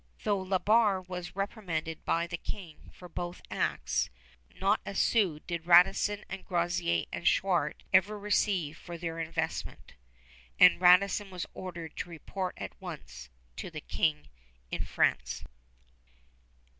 Though La Barre was reprimanded by the King for both acts, not a sou did Radisson and Groseillers and Chouart ever receive for their investment; and Radisson was ordered to report at once to the King in France.